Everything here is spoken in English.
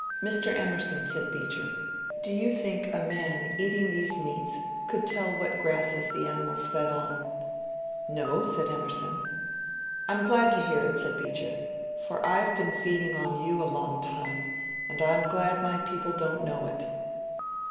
" Mr. Emerson," said Beecher, " do you think a man eating these meats could tell what grasses the animals fed on ?"" No," said Emerson. " I 'm glad to hear it," said Beecher, '^ for I 've been feeding on you a long time and I 'm glad my people don't know it."